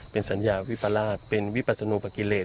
เป็นสัญญาวิปราศน์เป็นวิปราศนูปกิเลส